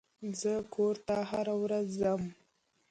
زه کور ته هره ورځ ځم.